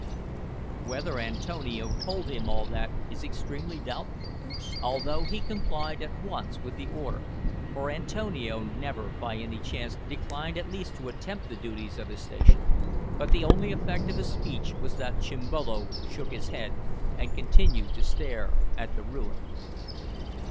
Whether Antonio told him all that, is extremely doubtful, although he complied at once with the order, for Antonio never by any chance declined at least to attempt the duties of his station, but the only effect of his speech was that Chimbolo shook his head and continued to stare at the ruins.